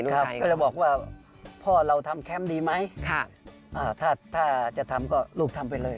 ก็เลยบอกว่าพ่อเราทำแคมป์ดีไหมถ้าถ้าจะทำก็ลูกทำไปเลย